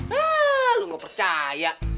haa lo gak percaya